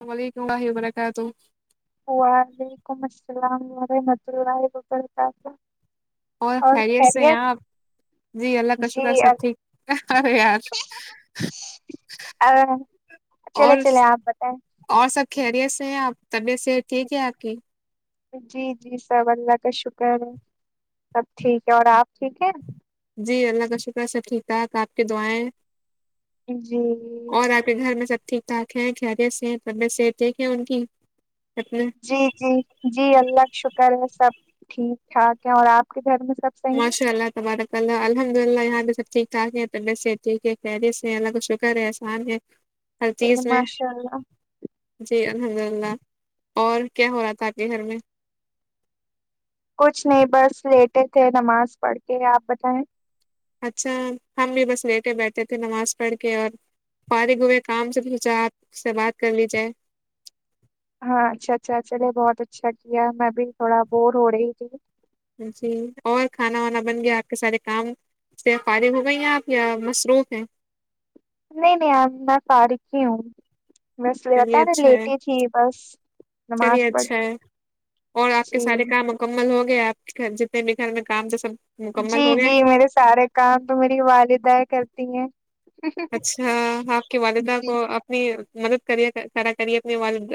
السلام علیکم ورحمۃ اللہ وبرکاتہ وعلیکم السلام ورحمۃ اللہ وبرکاتہ اور خیریت سے ہے آپ جی اللہ کا شوکر سب ٹھیک آرے یار ا چلے اور چلے آپ بتائیں اور سب خیریت سے ہیں آپ طبیعت صحت ٹھیک ہے آپ کی جی جی سب اللہ کا شکر ہے سب ٹھیک ہے اور آپ ٹھیک ہے جی اللہ کا شکر ہے سب ٹھیک ٹھاک آپ کے دعائیں جی اور آپ کے گھر میں سب ٹھیک ٹھاک ہے خیریت سے طبیعت صحت ٹھیک ہے ان کی اپنے جی جی جی اللہ کا شکر ہے سب ٹھیک ٹھاک ہے اور آپ کے گھر میں سب صحیح ہے ماشاء اللہ تبارک اللہ الحمد للہ یہاں پہ سب ٹھیک ٹھاک ہے طبیعت سے ٹھیک ہے خیریت سے اللہ کا شکر ہے احسان ہے ہر چلے چیز میں ماشاء اللہ جی الحمد للہ اور کیا ہو رہا تھا آپ کے گھر میں کچھ نہیں بس لیٹے تھے نماز پڑھ کے آپ بتائیں اچھا ہم بھی بس لیٹے بیٹھے تھے نماز پڑھ کے اور فارغ ہوئے کام سے سوچا آپ سے بات کرلی جاۓ ہاں اچھا اچھا چلے بہت اچھا کیا میں بھی تھوڑا بور ہو رہی تھی جی اور کھانا وانا بن گیا آپ کے سارے کام سے فارغ ہو گئی ہیں آپ یا مصروف ہیں نہیں نہیں آب میں فارغ ہی ہوں میں اس لیے چلیے بتا نا اچھا ہے لیٹی تھی بس چلیے نماز پڑھ اچھا کے ہے اور آپ کے جی سارے کام مکمل ہو گیا آپ کے جتنے بھی گھر میں کام تھے سب مکمل جی ہو گئے جی میرے سارے کام تو میری والدہ کرتی ہیں اچھا آپ کی والدہ جی کو اپنی مدد کر کرا کری اپنے والدہ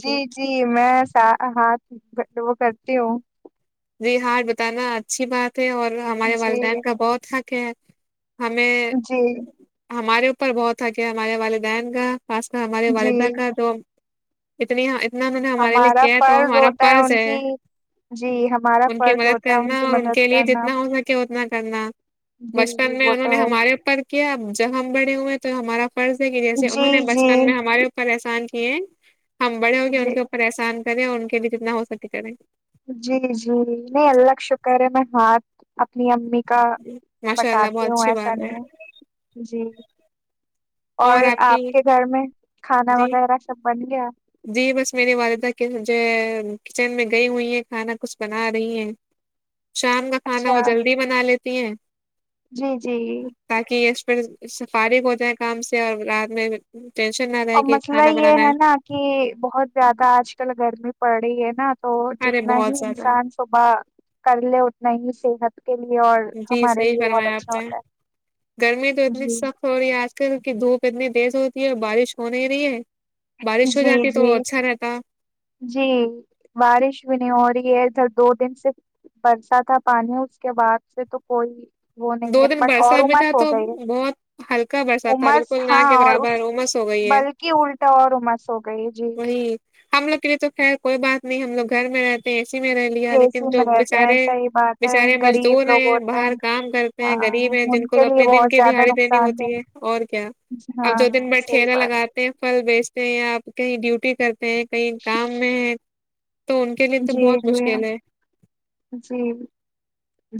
جی کی جی میں ہاتھ وہ کرتی ہوں جی ہاتھ بتانا اچھی بات ہے اور ہمارے جی والدین کا بہت حق ہے ہمیں جی ہمارے اوپر بہت حق ہے ہمارے والدین کا خاص کر ہمارے جی والدہ کا جو اتنی اتنا میں نے ہمارے لیے ہمارا کیا ہے تو فرض ہمارا ہوتا فرض ان ہے کی جی ہاں ان کی مدد کرنا اور ان کے لیے جتنا ہو سکے اتنا کرنا جی جی بچپن میں وہ انہوں تو نے ہے ہمارے اوپر کیا اب جب ہم بڑے ہوئے ہیں تو ہمارا فرض ہے کہ جیسے جی انہوں نے جی بچپن میں ہمارے احسان کیے ہم بڑے ہو کے ان جی کے اوپر احسناں کریں اور ان کے لیے کتنا ہو سکے کریں جی جی نہیں اللہ کا شکر ہے میں ہاتھ اپنی امی کا ماشاء اللہ بٹاتی بہت ہوں اچھی ایسا بات ہے نہیں ہے جی اور آپ کے گھر میں کھانا جی وغیرہ سب بن گیا جی بس میری والدہ کے جو ہے کچن میں گئی ہوئی ہیں کھانا کچھ بنا رہی ہیں شام کا کھانا اچھا وہ جلدی بنا لیتی ہیں جی جی تاکہ اس پر فارغ ہو جائے کام سے اور رات میں ٹینشن نہ رہے اور کہ مسئلہ کھانا یہ بنانا ہے نا کہ بہت زیادہ آج کل گرمی پڑ رہی ہے نا تو ارے جتنا بہت ہی زیادہ انسان صبح کر لے اتنا ہی صحت کے لیے اور جی ہمارے صحیح لیے بہت فرمایا آپ اچھا نے ہوتا ہے جی تھوڑی آج کل کی دھوپ اتنی تیز ہوتی ہے اور بارش ہو نہیں رہی ہے بارش ہو جی جاتی تو جی اچھا رہتا جی بارش بھی نہیں ہو رہی ہے ادھر دو دن سے برسہ تھا پانی اس کے بعد سے تو کوئی وہ نہیں دو ہے دن بٹ اور برسا بھی عمر تھا سو تو گئی ہے بہت ہلکا برسا تھا عمس بالکل نہ ہاں کے اور برابر اس امس ہو گئی ہے بلکہ الٹا اور عمر ہو گئی جی جی ہم لوگ کے لیے تو خیر کوئی بات نہیں ہم لوگ گھر میں رہتے ا ے سی میں رہ لیا اے لیکن سی جو میں رہتے ہیں بچارے صحیح بات ہے بچارے مزدور غریب لوگ ہیں ہوتے باہر کام کرتے ہیں غریب ہاں ہے جن ان کو تو کے لیے اپنے دن بہت کی زیادہ دہاڑی دینی نقصان ہوتی ہے اور کیا دہ ہاں اب دو دن میں صحیح ٹھیلا بات لگاتا ہیں پھل بیچتے ہیں یا آپ کہیں ڈیوٹی کرتے ہیں کہیں کام میں ہے تو ان کے لیے تو جی بہت جی مشکل ہے جی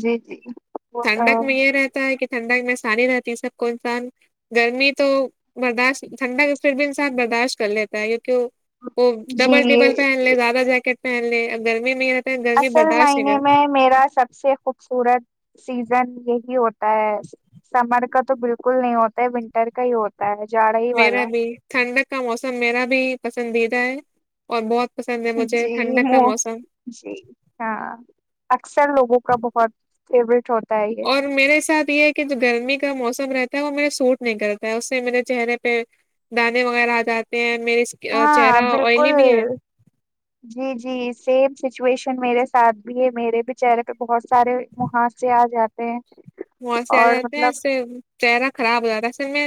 جی جی وہ تو ٹھنڈک میں ہے۔ یہ رہتا ہے کہ ٹھنڈک میں آسانی رہتی ہے سب کو انسان گرمی تو برداشت ٹھنڈا پھر بھی انسان برداشت کر لیتا ہے یہ کیوں وہ ڈبل جی ٹبل پہن لے زیادہ جیکٹ پہن لے گرمی میں رہتا ہے گرمی اصل برداشت ہے معنی گا میں میرا سب سے خوبصورت سیزن یہی ہوتا ہے س سمر کا تو بالکل نہیں ہوتا ہے ونٹر کا ہی ہوتا ہے جاڑا ہی میرا والا بھی ٹھنڈک کا موسم میرا بھی پسندیدہ ہے اور بہت پسند ہے مجھے جی ٹھنڈک کا منہ موسم جی ہاں اکثر لوگوں کا بہت فیوریٹ ہوتا ہے یہ اور میرے ساتھ یہ ہے کہ جو گرمی کا موسم رہتا ہے وہ میرے سوٹ نہیں کرتا ہے اس سے میرے چہرے پہ دانے وغیرہ آ جاتے ہیں میرے ہاں چہرہ آئلی بالکل بھی ہے جی جی سیم سچویشن میرے ساتھ بھی ہے میرے بھی چہرے پہ بہت سارے محاسے آ جاتے ہیں محاسے آ اور جاتے ہیں مطلب اس سے چہرہ خراب ہو جاتا ہے اس سے میں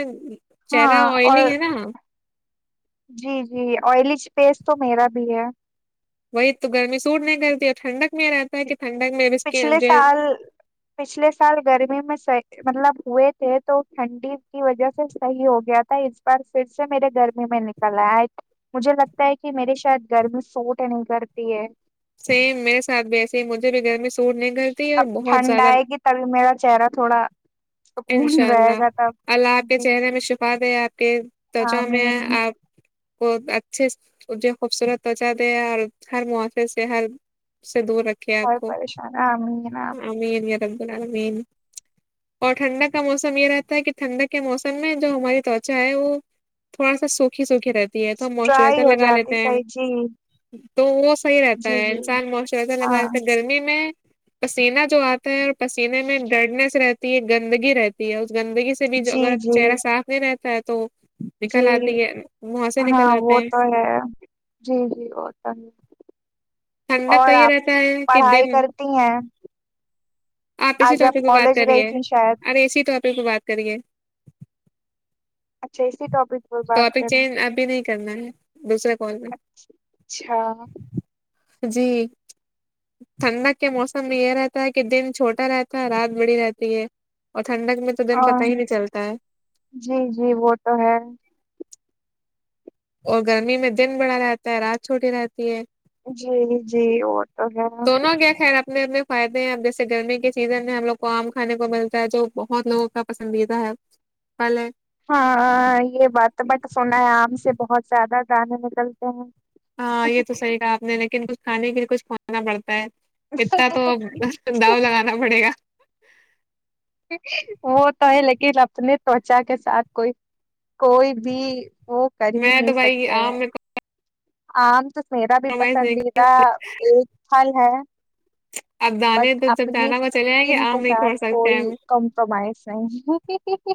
چہرہ ہاں آئلی اور ہےنا جی جی آئلی فیس تو میرا بھی ہے وہی تو گرمی سوٹ نہیں کرتی ہے ٹھنڈک میں یہ رہتا ہے کہ ٹھنڈک میں بھی اسکن پچھلے سال پچھلے سال گرمی میں س مطلب ہوئے تھے تو ٹھنڈی کی وجہ سے صحیح ہو گیا تھا اس بار پھر سے میرے گرمی میں نکل آے مجھے لگتا ہے کہ میرے شاید گرمی سوٹ نہیں کرتی ہے سیم میرے ساتھ بھی ایسے ہی مجھے بھی گر می س وٹ نہیں کرتی اور اب بہت ٹھنڈ زیادہ آئے گی تبھی میرا چہرہ تھوڑا سکون انشاء رہے اللہ گا تب اللہ آپ کے جی جی چہرے میں شفا دے آپ کے توچا میں ہے آمین آپ کو اچھے جو خوبصورت توچا دے اور ہر مو سے ہر سے دور رکھے آپ ہر کو پریشان آمین آمین رب العالمین اور ٹھنڈک کا موسم یہ رہتا ہے کہ ٹھنڈک کے موسم میں جو ہماری توچا ہے وہ تھوڑا سا سوکھی سوکھی رہتی ہے تو ہم ڈرائی موسچرائزر ہو لگا جاتی لیتے ہیں صحیح جی تو وہ صحیح رہتا جی ہے جی انسان موسچرائزر لگالیتا ہاں ہے گرمی میں پسینہ جو آتا ہے پسینے میں ڈرڈنیس رہتی ہے گندگی رہتی ہے اس گندگی س سے بھی جو جی اگر جی چہرہ صاف نہیں رہتا ہے تو جی نکل آتی ہے منہ سے نکل ہاں وہ آتے ہیں تو ہے جی جی وہ تو ہے ٹھنڈک اور کا یہ آپ رہتا ہے کہ پڑھائی دن کرتی ہیں آپ اسی آج ٹاپک پہ بات کالج کر رہی گئی ہیں تھیں شاید اور اسی ٹاپک پہ بات کریے اچھا اسی ٹاپک پر بات ٹاپک کریں چینج ابھی نہیں کرنا ہے دوسرے کال پے اچھا جی ٹھنڈک کے موسم میں یہ رہتا ہے کہ دن چھوٹا رہتا ہے رات بڑی رہتی ہے اور ٹھنڈک میں تو دن پتہ اور ہی نہیں چلتا ہے جی جی وہ تو ہے اور گرمی میں دن بڑا رہتا ہے رات چھوٹی رہتی ہے جی جی وہ تو ہے ہوگیا خیر اب اتنے اتنے فائدے ہیں اب جیسے گرمی کے سیزن میں ہم لوگ کو آم کھانے کو ملتا ہے جو بہت لوگوں کا پسندیدہ ہے پھل ہے ہاں ہاں یہ بات بٹ سنا ہے آم سے بہت زیادہ دانے نکلتے ہاں یہ ہیں تو صحیح کہا آپ نے لیکن کچھ کھانے کے لیے کچھ کھونا پڑتا ہے اتنا تو اب آ داؤ لگانا پڑے گا وہ تو ہے لیکن اپنے توچا کے ساتھ کوئی کوئی بھی وہ کر ہی میں نہیں تو بھائی سکتے ہیں آم میں آم تو میرا بھی کمپرومائز نہیں پسندیدہ ایک پھل ہے اب دانے بٹ تو جب اپنی جانا کو چلے آئیں گے اسکن آم کے نہیں چھوڑ ساتھ سکتے کوئی ہم کمپرومائز نہیں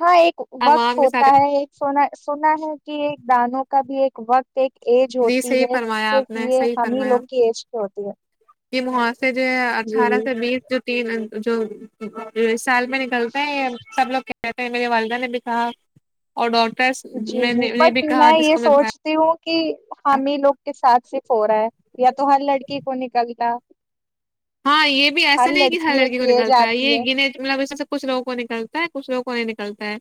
ہاں ایک ہم وقت آم کے ساتھ ہوتا ہے ایک سنا سنا ہے کہ ایک دانوں کا بھی ایک وقت ایک ایج جی ہوتی صحیح ہے فرمایا آپ صرف نے یہ صحیح ہم ہی فرمایا لوگ کی ایج ہوتی ہے یہ موہاسے جو ہے جی اٹھارہ سے بیس جو تین جو سال میں نکلتا ہے سب لوگ کہتے ہیں میری والدہ نے بھی کہا اور ڈاکٹرس میں نے بھی کہا جس کو میں بتا تی ہوں کی ہم ہی لوگ کے ساتھ صرف ہو رہا ہے یا تو ہر لڑکی کو نکلتا ہے ہاں یہ بھی ایسا نہیں ہے کہ ہر لڑکیوں لڑکی کو کیے نکلتا ہے جاتی یہ گنے مطلب ایسا سب کچھ لوگوں کو نکلتا ہے کچھ لوگوں کو نہیں نکلتا ہے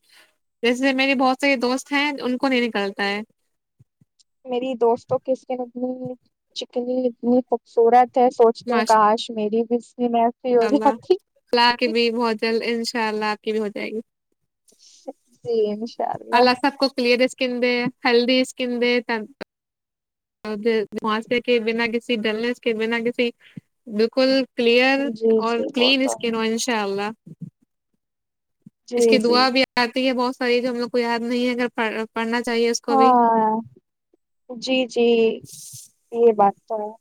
جیسے میرے بہت سے دوست ہیں ان کو نہیں نکلتا ہے میری دوستوں کی اسکین اتنی چکنی اتنی خوبصورت ہے سو تو کاش میری بھی سکیں ہو انشاء جاتی اللہ لا کی بھی بہت جلد انشاء اللہ آپ کی بھی ہو جائے گی جی انشاء اللہ الله سب کو کلیئرسٹ اسکیں دے ہیلتھی اسکیں دے تر اور ماسے کے بنا کسی ڈلنس کے بنا کسی بالکل جی جی وہ تو ہے انشاء اللہ اس کی جی جی دعا بھی آتی ہے بہت ساری جو ہم لوگ کو یاد نہیں ہے اگر پڑ پڑنا چاہیے کو بھی ہاں جی جی یہ بات تو ہے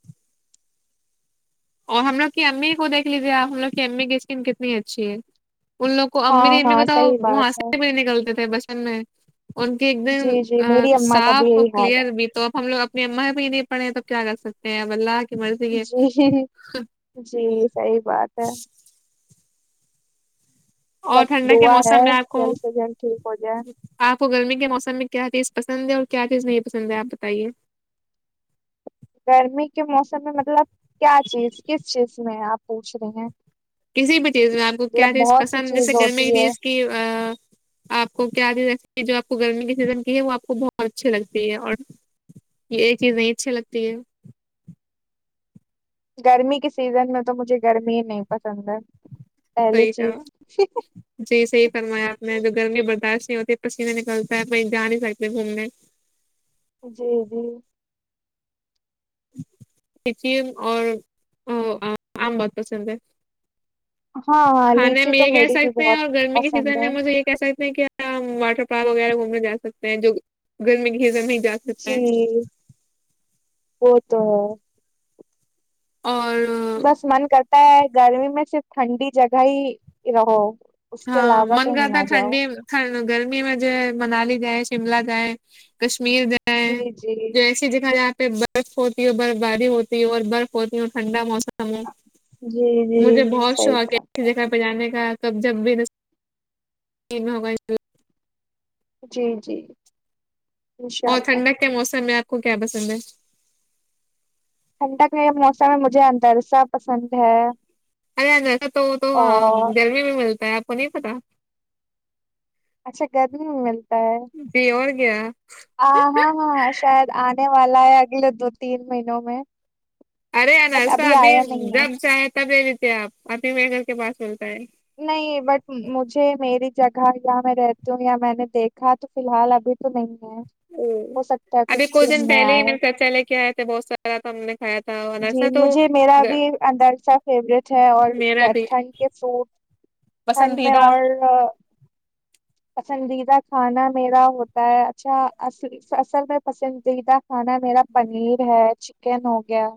اور ہم لوگ کی امی کو دیکھ لیجیے آپ ہم لوگ کی امی کی اسکن کتنی اچھی ہے ان لوگ کو امی ہاں نے امی ہاں بتاؤ صحیح بات ہے مہاسے بھی نکلتے تھے بچپن میں ان کے ایک دم جی جی میری اما کا بھی صاف اور یہی حال کلیئر بھی تو ہم لوگ اپنی اماں ہی پہ نہیں پڑھے ہیں تو کیا کر سکتے ہیں اب الله کی مرضی کے ج جی صحیح بات ہے اور بس ٹھنڈا کے دعا ہے موسم میں آپ کو جلد سے جلد ٹھیک ہو جائے آپ کو گرمی کے موسم میں کیا چیز پسند ہے اور کیا چیز نہیں پسند ہے آپ بتائیے گرمی کے موسم میں مطلب کیا چیز کس چیز میں آپ پوچھ رہے ہیں کسی بھی چیز میں آپ کو کیا مطلب چیز بہت سی پسند جیسے چیز گرمی کی ہوتی ہے چیز کی اپ کو کیا چیز جیسے کہ جو آپ کو گرمی کی سیزن کی ہے وہ آپ کو بہت اچھی لگتی ہے اور یہ ایک چیز نہیں اچھی لگتی ہے گرمی کے سیزن میں تو مجھے گرمی ہی نہیں پسند ہے پہلی صحیح چیز کہا جی صحیح فرمایا آپ نے جو گرمی برداشت نہیں ہوتی پسینے نکلتے ہے کہیں جا نہیں سکتے گھومنے جی جی جی اور آم بہت پسند ہے ہاں ہاں کھانے لیچی میں تو یہ کہ میری بھی سکتے ہیں بہت اور گرمی کے پسند سیزن میں ہے مجھے یہ کہ سکتے ہیں کیا واٹر پارک وغیرہ گھومنے جا سکتے ہیں جو گرمی کی سیزن میں جا سکتے جی ہیں وہ تو اور ہے بس من کرتا ہے گرمی میں صرف ٹھنڈی جگہ ہی رہو اس کے علاوہ کہیں نہ جاؤ ہا گرمی میں جائے منالی جائے شملہ جائے کشمیر جائے جی [unintelligible] جی جو ایسے دیکھا جائےاں پہ برف ہوتی ہے برف باری ہوتی ہے اور برف ہوتی ہے ٹھنڈا موسم جی مجھے جی بہت صحیح شوق ہے بات ایسے جگہ بجانے کا کب جب بھی [unintelligible] میں ہوگا اس جی جی انشاء اور اللہ ٹھنڈک کے موسم میں آپ کو کیا پسند ہے ٹھنڈک کے موسم میں مجھے اندرسہ پسند ہے ارے ویسا تو تو ہا اور گرمی بھی ملتا ہے آپ کو نہیں پتا اچھا گرمی میں ملتا ہے جی اور کیا ہاں ہاں ہاں شاید انے والا ہے اگلے دو تین مہینوں میں ارے ان بٹ ایسا ابھی آیا نہیں ہے جب چاہیے تب لے لیتے اپ ابھی میرے گھر کے پاس ملتا ہے نہیں بٹ مجھے میری جگہ جہاں میں رہتی ہوں یا میں نے دیکھا تو فی الحال ابھی تو نہیں ہے ا ہو سکتا ہے ابھی کچھ دن میں پہلے ہی آئے میرے چچا لے کے آئے تھے بہت سارا تھا ہم نے کھایا تھا جی انرسا تو مجھے میرا گ- بھی اندرشہ فیوریٹ ہے اور میرا بھی ٹھن کے فروٹ ٹھنڈ میں پسندیدہ اور پسندیدہ کھانا میرا ہوتا ہے اچھا اص اصل میں پسندیدہ کھانا میرا پنیر ہے چکن ہو گیا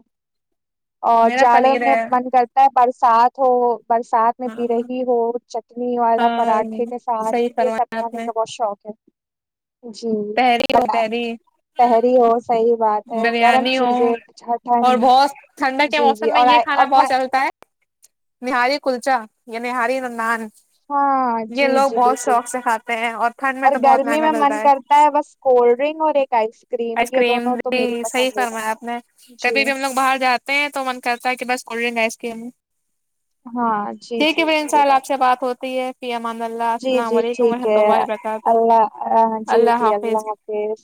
اور میرا جاڑوں پنیر میں ہے من کرتا ہے برسات ہو برسات اس میں ہاں بری ہو چٹنی والا ہاں پراٹھے کے ساتھ صحیح یہ سب فرمایا آپ کھانے نے کا بہت شوق ہے جی تحری ہو بٹ تحری پہری ہو صحیح بات ہے گرم بریانی چیزیں اچھا ٹھنڈ میں ٹھنڈک کے جی جی موسم میں اور یہ آئے- کھا اور بہت ٹھنڈ، چلتا ہے نہاری کلچا یا نہاری ن نان ہاں یہ جی لوگ جی بہت بالکل شوق سے کھاتے ہیں اور ٹھنڈ میں تو بہت مہنگا ملتا ہے اتا ہے بس کولڈ ڈرنک اور ایک آئس کریم آئس یہ دونوں تو بھی میری صحیح پسندیدہ فرمایا آپ نے کبھی جی بھی ہم باہر جاتے ہیں تو من کرتا ہے کہ بس کولڈ ڈرنک ائس کریم ہاں جی ٹھیک جی ہے بھائی انشاء یہ اللہ اپ سے بات ہوتی ہے فی امان اللہ جی السلام جی علیکم ٹھیک وورحمتہ ہے اللہ و برکاتہ اللہ جی جی اللہ حافظ